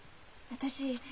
私。